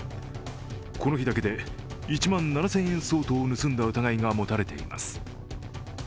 この日だけで１万７０００円相当を盗んだ疑いが持たれています。